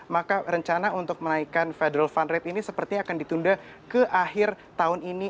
maka rencana untuk menaikkan federal fund rate ini sepertinya akan ditunda ke akhir tahun ini